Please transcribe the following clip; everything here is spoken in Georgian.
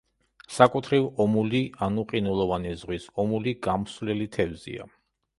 საკუთრივ ომული ანუ ყინულოვანი ზღვის ომული გამსვლელი თევზია.